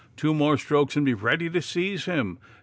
Two more strokes and be ready to seize him!